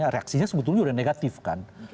reaksinya sebetulnya sudah negatif kan